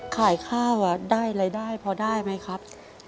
ขายข้าวได้รายได้พอได้ไหมครับ